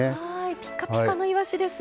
ぴかぴかのいわしですね。